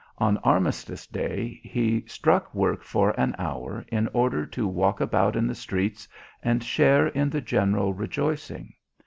On Armistice Day he struck work for an hour in order to walk about in the streets and share in the general rejoicing.